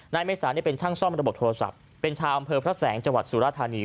เมษาเป็นช่างซ่อมระบบโทรศัพท์เป็นชาวอำเภอพระแสงจังหวัดสุราธานี